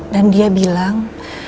dan dia bilang